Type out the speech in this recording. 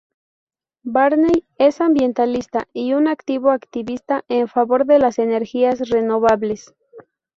Barney es ambientalista y un activo activista en favor de las energías renovables.